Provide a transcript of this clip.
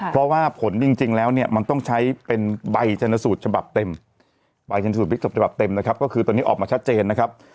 เพราะว่าผลจริงแล้วเนี่ยมันต้องใช้เป็นใบชนสูตรฉบับเต็มใบชนสูตรพลิกศพฉบับเต็มนะครับก็คือตอนนี้ออกมาชัดเจนนะครับ